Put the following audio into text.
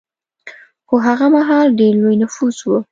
خو هغه مهال ډېر لوی نفوس و